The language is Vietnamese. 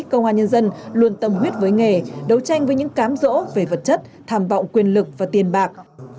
công an nhân dân luôn tâm huyết với nghề đấu tranh với những cám rỗ về vật chất thảm vọng quyền lực và tiền bạc